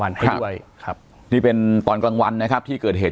ไปด้วยครับนี่เป็นตอนกลางวันนะครับที่เกิดเหตุ